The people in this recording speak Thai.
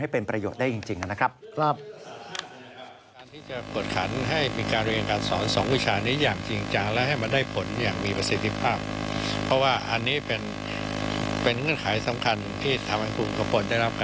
เป็นประโยชน์ได้จริงนะครับ